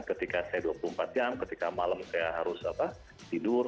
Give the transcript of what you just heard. ketika saya dua puluh empat jam ketika malam saya harus tidur